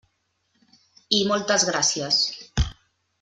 I moltes gràcies.